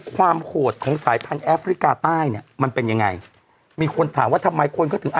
ความโหดของสายพันธุ์แอฟริกาใต้มันเป็นยังไงมีคนถามว่าทำไมคนก็ถึงอ่ะ